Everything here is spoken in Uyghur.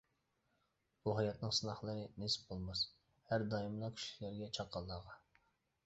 بۇ ھاياتنىڭ سىناقلىرى نېسىپ بولماس، ھەر دائىملا كۈچلۈكلەرگە، چاققانلارغا.